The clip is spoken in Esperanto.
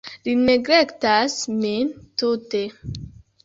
Li neglektas min tute.